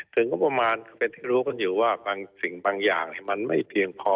กรปมารเป็นที่รู้คนอยู่ว่าสิ่งบางอย่างมันไม่เพียงพอ